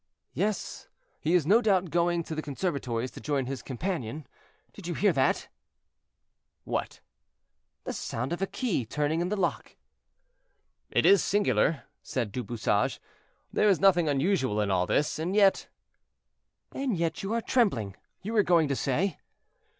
"Yes, he is no doubt going to the conservatories to join his companion? Did you hear that?" "What?" "The sound of a key turning in the lock." "It is singular," said Du Bouchage; "there is nothing unusual in all this, and yet—" "And yet you are trembling, you were going to say?"